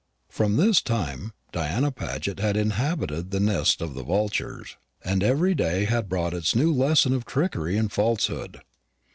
From this time Diana Paget had inhabited the nest of the vultures, and every day had brought its new lesson of trickery and falsehood.